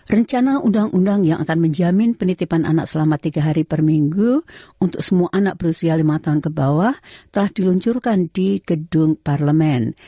rencana undang undang yang akan menjamin penitipan anak selama tiga hari per minggu untuk semua anak berusia lima tahun ke bawah telah diluncurkan di gedung parlemen